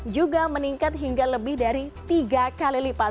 juga meningkat hingga lebih dari tiga kali lipat